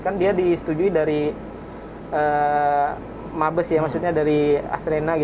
kan dia disetujui dari mabes ya maksudnya dari asrena